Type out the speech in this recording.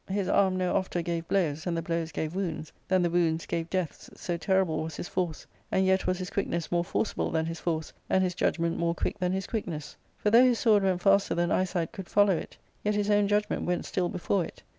His arm no ofter gave blows than the blows gave wounds, than the wounds gave deaths, so terrible was his force; and yet was his quick ness more forcible than his force, and his judgment more quick than his quickness ; for, though his sword went faster than eyesight could follow it, yet his own judgment went still before it.